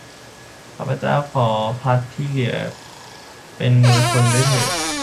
ข้าพเจ้าขอภัตต์ที่เหลือที่เป็นมงคลด้วยเถิด